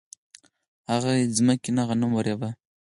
هغې ځمکې نه غنم ورېبه